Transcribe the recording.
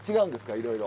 いろいろ。